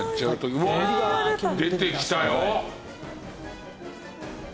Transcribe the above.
うわ出てきたよ！